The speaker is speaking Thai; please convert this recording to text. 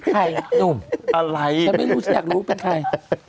ใครล่ะหนุ่มฉันไม่รู้จะอยากรู้เป็นใครอะไร